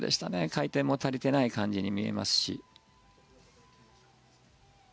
回転も足りてない感じに見えますし。